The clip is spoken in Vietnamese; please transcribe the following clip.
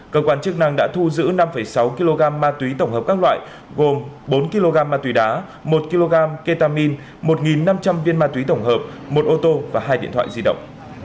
cơ quan chức năng đã thu giữ năm sáu kg ma túy tổng hợp các loại gồm bốn kg ma túy đá một kg ketamin một năm trăm linh viên ma túy tổng hợp một ô tô và hai điện thoại di động